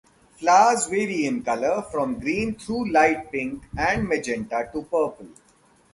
Flowers vary in color from green through light pink and magenta to purple.